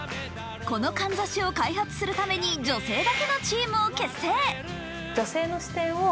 このかんざしを開発するために女性だけのチームを結成。